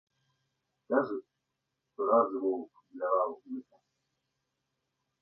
Кажуць, што раз воўк бляваў лыкам.